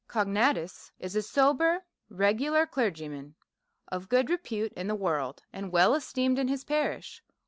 Cognatus is a sober regular clergyman, of good re pute in the world, and well esteemed in his parish.